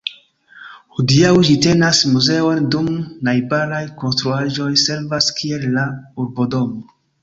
Hodiaŭ ĝi tenas muzeon, dum najbaraj konstruaĵoj servas kiel la Urbodomo.